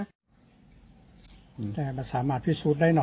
นี่แหละมันสามารถพิสูจน์ได้หรอ